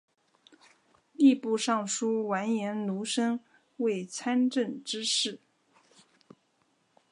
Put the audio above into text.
吏部尚书完颜奴申为参知政事。